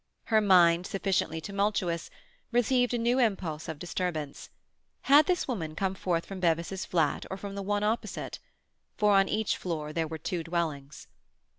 Her mind, sufficiently tumultuous, received a new impulse of disturbance. Had this woman come forth from Bevis's fiat or from the one opposite?—for on each floor there were two dwellings.